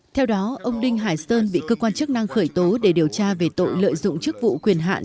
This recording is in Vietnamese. theo đó ông đinh hải sơn bị cơ quan chức năng khởi tố để điều tra về tội lợi dụng chức vụ quyền hạn